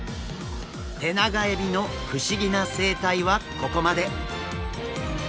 テナガエビの不思議な生態はここまで。